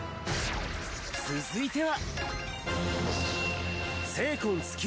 続いては。